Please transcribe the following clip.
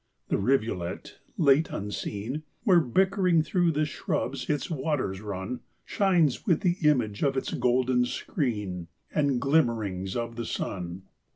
The rivulet, late unseen, Where bickering through the shrubs its waters run, Shines with the image of its golden screen, And glimmerings of the sun.